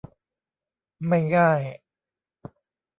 ไม่ง่าย